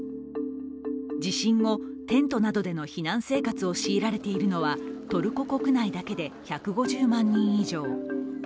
地震後、テントなどでの避難生活を強いられているのはトルコ国内だけで１５０万人以上。